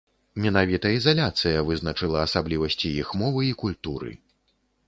Менавіта ізаляцыя вызначыла асаблівасці іх мовы і культуры.